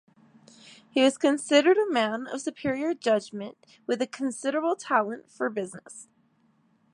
He was considered a man of superior judgment with a considerable talent for business.